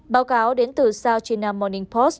báo cáo đến từ south china morning post